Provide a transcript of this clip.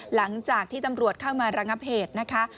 หลังจากที่ตำรวจเข้ามาระงับเหตุนะคะ